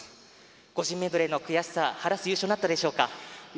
個人メドレーの悔しさを晴らす優勝になりましたか？